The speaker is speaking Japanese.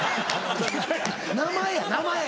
名前や名前。